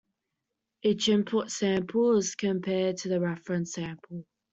Each input sample is compared to the reference sample.